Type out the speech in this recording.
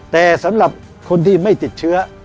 แต่สำหรับคนที่ไม่ติดเชื้อ